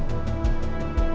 sambil nunggu kita